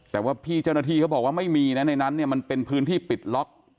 แต่ว่าพี่เจ้าหน้าที่เขาบอกว่าไม่มีนะในนั้นเนี่ยมันเป็นพื้นที่ปิดล็อก